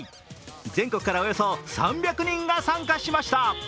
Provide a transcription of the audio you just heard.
全国からおよそ３００人が参加しました。